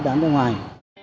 có được một số thông tin